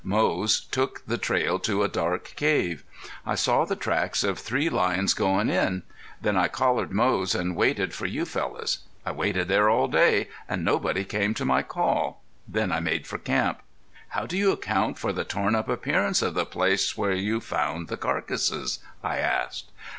Moze took the trail to a dark cave. I saw the tracks of three lions goin' in. Then I collared Moze an' waited for you fellows. I waited there all day, an' nobody came to my call. Then I made for camp." "How do you account for the torn up appearance of the place where you found the carcasses?" I asked.